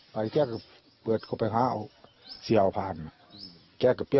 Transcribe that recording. พ่อกลับทางนี้